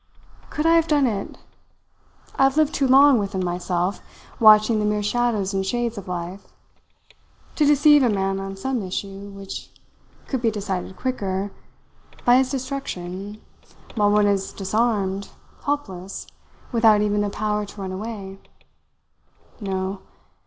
Could I have done it? I have lived too long within myself, watching the mere shadows and shades of life. To deceive a man on some issue which could be decided quicker, by his destruction while one is disarmed, helpless, without even the power to run away no!